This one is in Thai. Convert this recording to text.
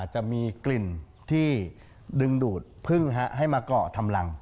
จะมีกลิ่นที่ดึงดูดพึ่งให้มาเกาะทำรัง